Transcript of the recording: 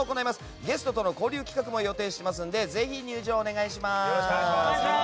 ゲストとの交流企画も予定していますのでぜひ入場をお願いします。